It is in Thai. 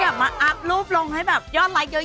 ก็ได้แบบมาอักรูปลงให้แบบยอดไลค์เยอะ